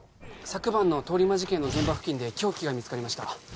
昨晩の通り魔事件の現場付近で凶器が見つかりました